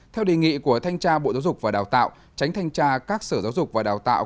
theo đề nghị của thanh tra bộ giáo dục và đào tạo tránh thanh tra các sở giáo dục và đào tạo